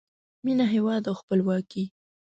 مینه، هیواد او خپلواکۍ